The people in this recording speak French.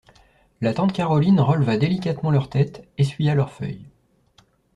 La tante Caroline releva délicatement leurs têtes, essuya leurs feuilles.